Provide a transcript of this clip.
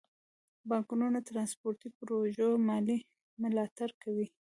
بانکونه د ترانسپورتي پروژو مالي ملاتړ کوي.